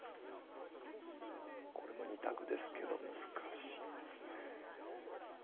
これも２択ですけど難しいですね。